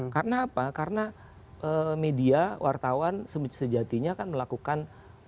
karena apa karena media wartawan sejatinya kan melakukan